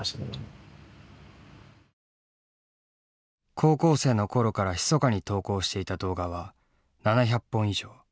高校生の頃からひそかに投稿していた動画は７００本以上。